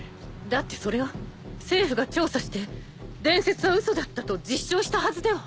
だってそれは政府が調査して伝説は嘘だったと実証したはずでは？